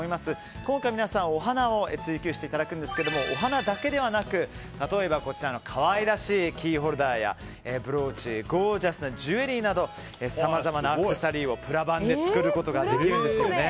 今回皆さん、お花を追求していただくんですけどお花だけではなく例えば可愛らしいキーホルダーやブローチゴージャスなジュエリーなどさまざまなアクセサリーをプラバンで作ることができるんですね。